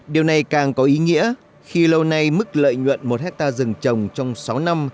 điều này càng có ý nghĩa khi lâu nay mức lợi nhuận một hectare rừng trồng trong sáu năm